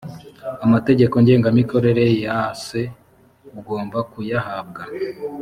amategeko ngengamikorere yase ugomba kuyahabwa